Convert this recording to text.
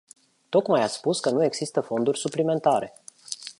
Tocmai ați spus că nu există fonduri suplimentare.